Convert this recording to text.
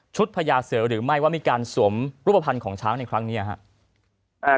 พญาเสือหรือไม่ว่ามีการสวมรูปภัณฑ์ของช้างในครั้งนี้ครับ